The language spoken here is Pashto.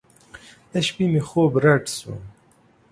د شپې مې خوب رډ سو.